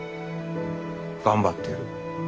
頑張ってる。